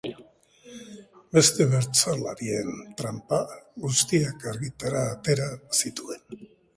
Beste bertsolarien tranpa guztiak argitara atera zituen.